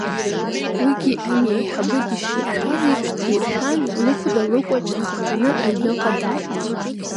Уигьы ани аиҳабы дыширшәаз еиԥш диршәан, лыхәда лыкәаҽ дхынҳәны аҩныҟа дааит.